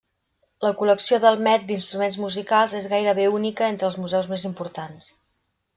La col·lecció del Met d'instruments musicals és gairebé única entre els museus més importants.